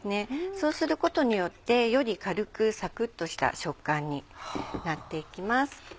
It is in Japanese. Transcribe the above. そうすることによってより軽くサクっとした食感になっていきます。